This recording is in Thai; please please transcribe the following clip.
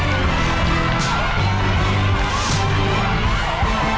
กล่อข้าวหลามใส่กระบอกภายในเวลา๓นาที